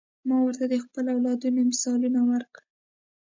ما ورته د خپلو اولادونو مثالونه ورکړل.